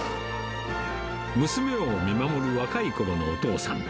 娘を見守る若いころのお父さん。